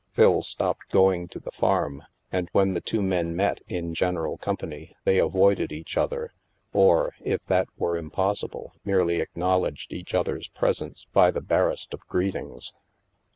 Phil stopped going to the farm, and when the two men met, in general company, they avoided each other; or, if that were impossible, merely acknowledged each other's presence by the barest of greetings.